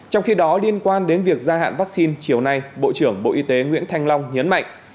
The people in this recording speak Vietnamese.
trong khi đó liên quan đến việc gia hạn vaccine chiều nay bộ trưởng bộ y tế nguyễn thanh long nhấn mạnh